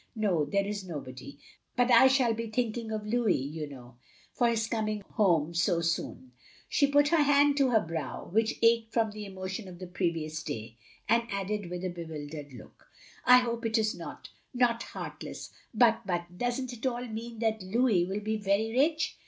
" No, there is nobody. But I shall be thinking of Louis, you know, and his coming home so soon. " She put her hand to her brow, which ached from the emotion of the previous day, and added with a bewildered look : "I hope it is not — ^not heartless — ^but — ^but does n't it all mean that Louis will be very rich."